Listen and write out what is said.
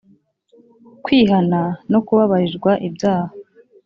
kwihana no kubabarirwa ibyaha